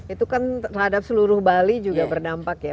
itu kan terhadap seluruh bali juga berdampak ya